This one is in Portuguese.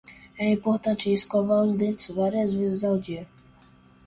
É importante escovar os dentes várias vezes ao dia.